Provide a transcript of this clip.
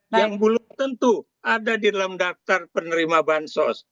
yang belum tentu ada di dalam daftar penerima bansos